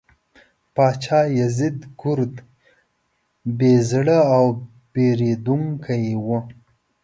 پاچا یزدګُرد بې زړه او بېرندوکی و.